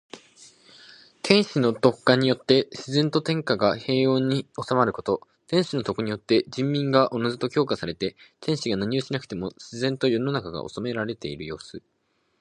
天子の徳化によって自然と天下が平穏に収まること。天子の徳によって人民がおのずと教化されて、天子が何をしなくても自然と世の中が治められているようす。